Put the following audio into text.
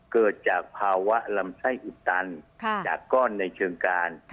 เกิดจากภาวะลำไส้อุดตันจากก้อนในเชิงการ